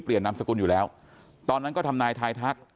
นามสกุลอยู่แล้วตอนนั้นก็ทำนายทายทัก